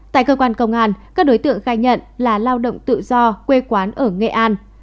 tại cơ quan công an các đối tượng khai nhận là lao động tự do quê quán ở nghệ an